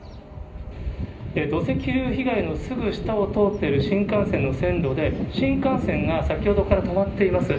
土石流被害のすぐ下を通っている新幹線の線路で、新幹線が先ほどから止まっています。